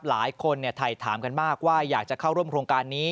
หลายคนถ่ายถามกันมากว่าอยากจะเข้าร่วมโครงการนี้